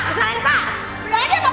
pindahin aja pak